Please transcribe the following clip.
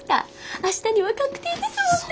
明日には確定ですもんね？